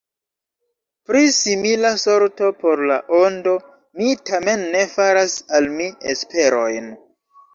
Pri simila sorto por La Ondo mi tamen ne faras al mi esperojn.